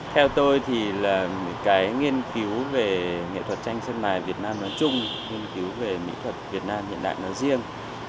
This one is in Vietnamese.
theo tôi thì là một cái nghiên cứu về nghệ thuật tranh sơn mài việt nam nó chung nghiên cứu về mỹ thuật việt nam hiện đại nó riêng